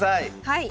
はい。